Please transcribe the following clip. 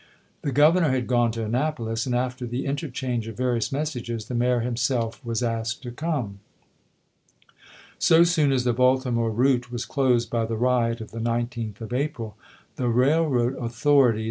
The Governor had gone to Annapolis, and after the interchange of various messages, the mayor himself was asked to come. So soon as the Baltimore route was closed by the riot of the 19th of April, the railroad authorities 128 ABRAHAM LINCOLN Chap. VI.